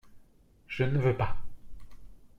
Je ne veux pas !…